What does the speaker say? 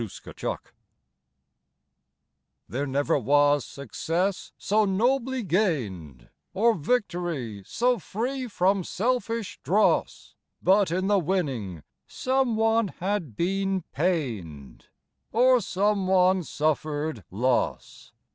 SUN SHADOWS There never was success so nobly gained, Or victory so free from selfish dross, But in the winning some one had been pained Or some one suffered loss.